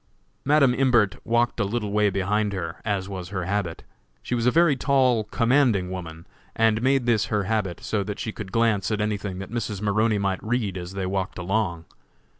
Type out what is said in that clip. Madam Imbert walked a little way behind her, as was her habit. She was a very tall, commanding woman, and made this her habit so that she could glance at anything that Mrs. Maroney might read as they walked along.